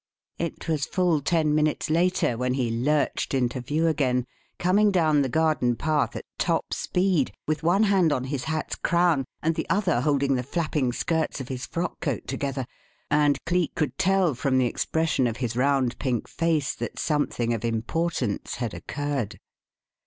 It was full ten minutes later when he lurched into view again, coming down the garden path at top speed, with one hand on his hat's crown and the other holding the flapping skirts of his frock coat together, and Cleek could tell from the expression of his round, pink face that something of importance had occurred.